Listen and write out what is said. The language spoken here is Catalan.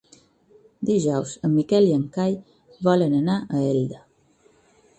Dijous en Miquel i en Cai volen anar a Elda.